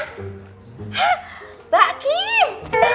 hah mbak kim